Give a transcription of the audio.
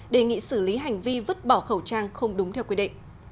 đề nghị xử lý hành vi vứt bỏ khẩu trang không đúng theo quy định